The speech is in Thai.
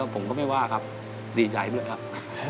ผมก็ไม่ว่าครับดีใจด้วยครับ